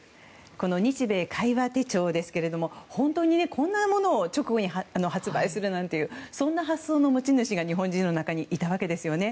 この「日米會話手帳」ですけれども本当にこんなものを直後に発売するなんていうそんな発想の持ち主が日本人の中にいたわけですね。